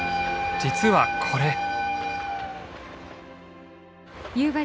実はこれ。